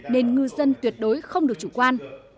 nên ngư dân tuyệt đối không được chủ quan